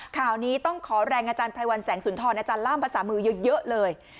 ข่าวนี้ต้องขอแรงอาจารย์ไพรวัลแสงสุนทรอาจารย์ล่ามภาษามือเยอะเลย